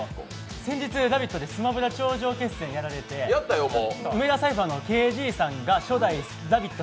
先日、「ラヴィット！」でスマブラ王頂上決戦やられて、梅田サイファーのＫＺさんが初代ラヴィット！